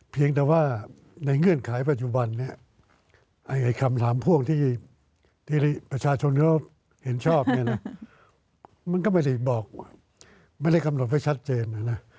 เพียงแต่ว่าในเงื่อนไขปัจจุบันเนี่ยคำถามพ่วงที่ประชาชนเขาเห็นชอบเนี่ยนะมันก็ไม่ได้บอกไม่ได้กำหนดให้ชัดเจนนะนะ